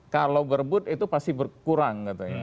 kalau berebut itu pasti berkurang katanya